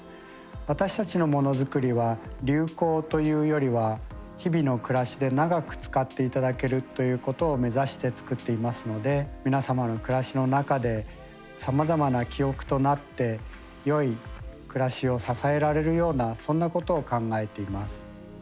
私たちのものづくりは流行というよりは日々の暮らしで長く使って頂けるということを目指して作っていますので皆様の暮らしの中でさまざまな記憶となってよい暮らしを支えられるようなそんなことを考えています。